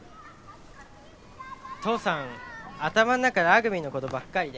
父さん頭の中ラグビーの事ばっかりで。